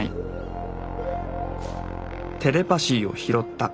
テレパ椎を拾った。